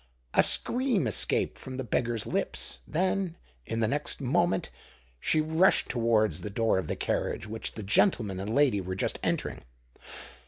A scream escaped from the beggar's lips: then, in the next moment, she rushed towards the door of the carriage, which the gentleman and lady were just entering.